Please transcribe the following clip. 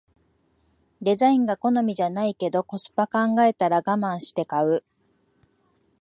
デザインが好みじゃないけどコスパ考えたらガマンして買う